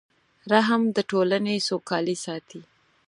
رحم د ټولنې سوکالي ساتي.